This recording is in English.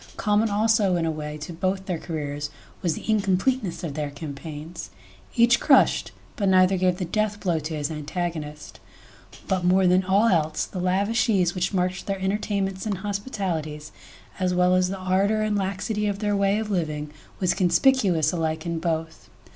..Common also in a way to both their careers was the incompleteness of their campaigns. Each crushed, but neither gave the death blow to his antagonist. But more than all else, the lavish ease which marked their entertainments and hospi talities, as well as the ardour and laxity of their way of living, was conspicuous alike in both.